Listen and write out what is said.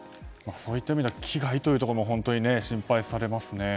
そういった意味では危害というところも本当に心配されますね。